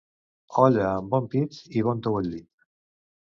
Olla amb bon pit i ben tou el llit.